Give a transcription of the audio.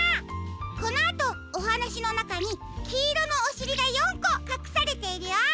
このあとおはなしのなかにきいろのおしりが４こかくされているよ。